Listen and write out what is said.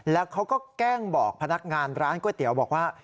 แล้วเขาก็แกล้งบอกพนักงานร้านก๋วยเตี๋ยวบอกว่า